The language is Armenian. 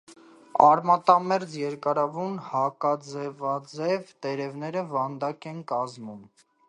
Արմատամերձ երկարավուն հակաձվաձև տերևները վարդակ են կազմում։